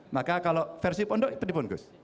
maka kalau versi pondok itu dibungkus